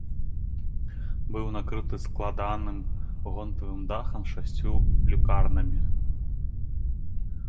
Быў накрыты складаным гонтавым дахам з шасцю люкарнамі.